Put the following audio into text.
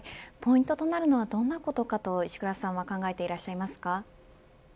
ポイントとなるのはどんなことかと石倉さんは考えていらっしゃいますか。